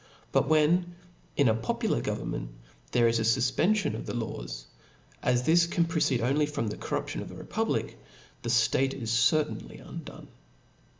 But, when, in a popular govern* ^^* Bocnt, there is a fufpenfion of the laws, as this can *^*^* proceed only from the corruption of the republic» the date is certainly undone.